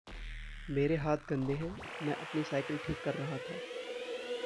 मेरे हाथ गंदे हैं। मैं अपनी साईकल ठीक कर रहा था।